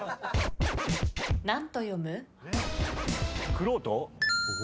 くろうと？